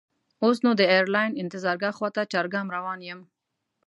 اوس نو د ایرلاین انتظارګاه خواته چارګام روان یم.